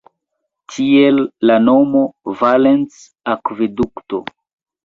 Tiel la nomo Valens-akvedukto.